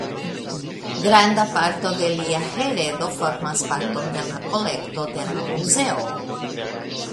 Granda parto de lia heredo formas parton de la kolekto de la Muzeo.